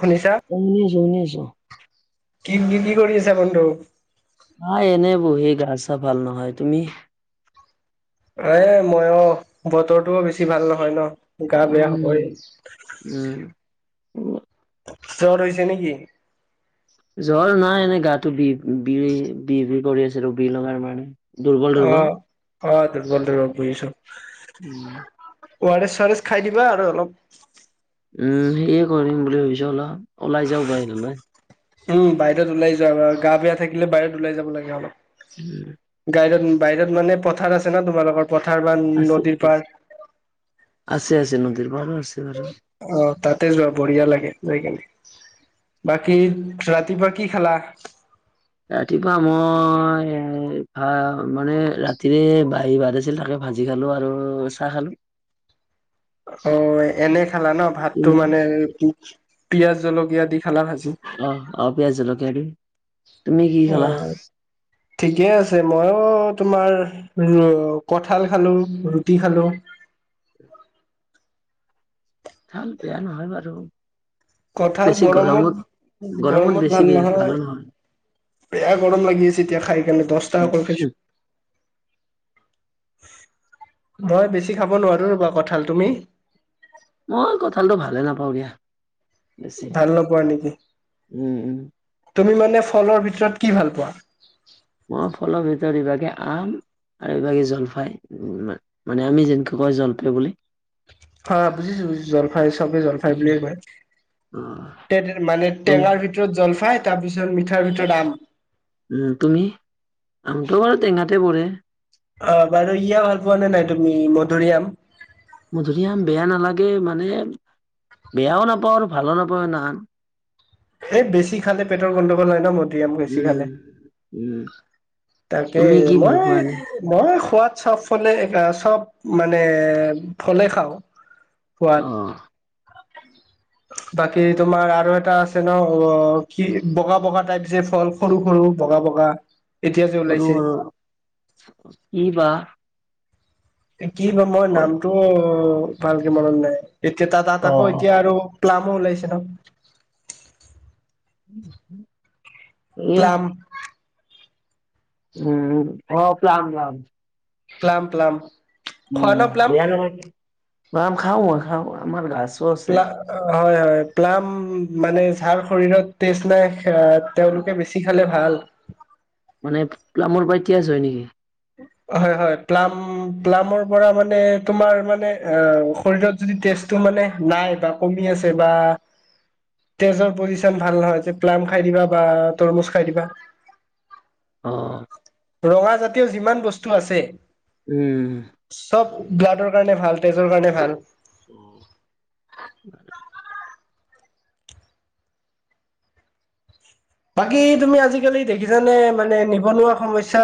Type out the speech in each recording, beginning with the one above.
শুনিছা শুনি আছোঁ শুনি আছোঁ। কি কি কি কৰি আছা বন্ধু আছা ভাল নহয় তুমি। এ মইয়ো বতৰটো বেছি। বেছি ভাল নহয় ন গা বেয়া উম হবই। উ জ্বৰ হৈছে নেকি। জ্বৰ নাই এনে গাটো বি বি বি কৰি আছে ৰৰুবি লগাৰ মানে। দুৰ্বল অ দুৰ্বল। অ দুৰ্বল দুৰ্বল পৰি আছোঁ। উম অৰেষ্ট চৌৱাৰেছ খাই দিবা আৰু অলপ- উম সেয়ে কৰিম বুলি ভাবিছো অল ওলাই যাও বাহিললৈ। উম বাহিৰত ওলাই যোৱা আৰু গা বেয়া থাকিলে বাহিৰত ওলাই যাব লাগে উম অলপ গাইত। বাহিৰত মানে পথাৰ আছে ন তোমালোকৰ- পথাৰ বা আছে নদীৰ পাৰ আছে আছে নদীৰ পাৰো আছে বাৰু অ তাতে যোৱা বঢ়িয়া লাগে যাই কিনি- বাকী ৰাতিপুৱা কি খালা। ৰাতিপুৱা মই এ ভা মানে ৰাতিৰে বাহী ভাত আছিল তাকে ভাজি- খালো আৰু চাহ খালো- [inaudible] অ এনে খালা ন ভাতটো তুমি? মানে পিয়াজ জলকীয়া, দি খালা ভাজি অ অ পিয়াজ, জলকীয়া, তুমি কি অ খালা? ঠিকে আছে মইয়ো। তোমাৰ কঠাল খালো ৰুটি খালো। ভাল বেয়া নহয় বাৰু কথাল গৰমত গৰমত বেছি ভাল বে ভালো নহয়। বেয়া গৰম লাগি আছে এতিয়া খাইকাৰে দহ টাকা কৰি খাইছো। ভয় বেছি খাব নোৱাৰো ৰ'বা কঁঠাল তুমি মই কঁঠালটো ভালে নাপাওঁ দিয়া। বেছি। ভাল নপোৱা নেকি উম, উম, তুমি মানে। এনে ফলৰ ভিতৰত কি ভাল পোৱা। মই ফলৰ ভিতৰত ইভাগে আম আৰু এইভাগে জলফাই মানে আমি যেনেকে কয় জলপাই বুলি। অ বুজিছো জলফাই চবে জলফাই বুলিয়ে কয়। অ', তে মানে তুম টেঙাৰ ভিতৰত জলফাই তাৰপিছত মিঠাৰ ভিতৰত আম। উম তুমি আমটো বাৰু টেঙাতে পৰে। অ বাৰু ইয়া ভাল পোৱা নে নাই তুমি মধুৰিআম,। ম ধুনীয়া বেয়া নালাগে মানে বেয়াও নাপাওঁ আৰু ভালো নাপাওঁ নান এই বেছি খালে পেটৰ গণ্ডগোল হয় ন মদৰি আম বেছি খালে। উম, উম, তুমি তাকেই কি ভাল পোৱা এনে? মই মই। সোৱাদ চব ফলে চব মানে ফলে খাওঁ। খোৱাত আহ বাকী তোমাৰ আৰু এটা ছে ন অ কি বগা বগা টাইপ যে ফল সৰু সৰু বগা বগা। এতিয়া যে ওলাইছে কিঈবা [unintelligible] কি ক মই অ', নামটো ভালকে মনত নাই। এতিয়া তাত তাত আকৌ এতিয়া আৰু ক্লামো ওলাইছে ন উম উম। প্লাম [unintelligible] উম অ প্লাম প্লাম। প্লাম প্লাম খোৱা ন প্লাম উম খাওঁ খাও আমাৰ গা প্লা হয় হয় প্লাম মানেৰ শৰীৰত তেজ নাই এ তেওঁলোকে বেছি খালে ভাল। মানে প্লামৰ পৰা তিয়াজ হয় নেকি হয় হয় প্লাম প্লামৰ পৰা মানে তোমাৰ মানে শৰিৰত যদি তে মানে নাই বা কমি আছে বা তেজৰ পজিশন ভাল নহয় যে প্লাম খাই দিবা বা তৰমুজ খাই দিবা। অ ৰঙা জাতীয় যিমান বস্তু আছে। উম। চব ব্লাডৰ কাৰণে ভাল তেজৰ কাৰণে ভাল। অ। বাকী তুমি আজিকালি দেখিছানে মানে নিবনুৱা সমস্যা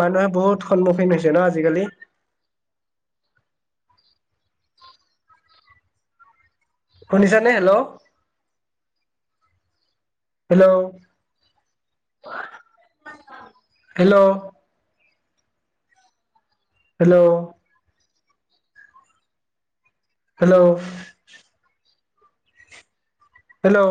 মানুহে বহুত হৈছে ন আজিকালি শুনিছ নে hello hello hello hello hello hello